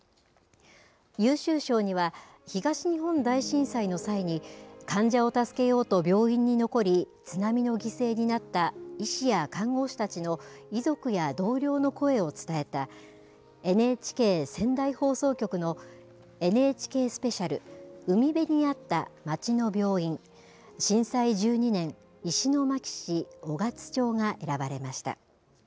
優秀賞には東日本大震災の際に、患者を助けようと病院に残り、津波の犠牲になった医師や看護師たちの遺族や同僚の声を伝えた、ＮＨＫ仙台放送局のＮＨＫスペシャル海辺にあった、町の病院震災１２年石巻市雄勝町が選ばれました。